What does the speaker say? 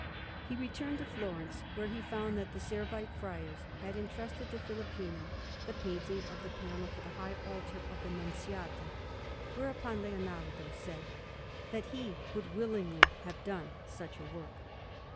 He returned to Florence, where he found that the Servite Friars had entrusted to Filippino the painting of the panel for the high altar of the Nunziata; whereupon Leonardo said that he would willingly have done such a work.